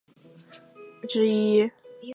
加拉帕戈斯象龟是现存体型最大的陆龟之一。